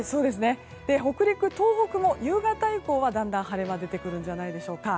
北陸、東北も夕方以降はだんだん晴れが出てくるんじゃないでしょうか。